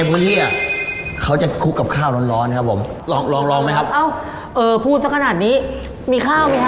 พี่อื่นไหนก็มาแล้วขับพรูหมดพี่